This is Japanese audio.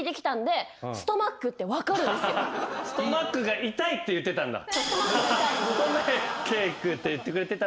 「ストマックが痛い」って言ってたんだ。